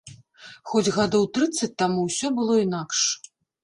Хоць гадоў трыццаць таму ўсё было інакш.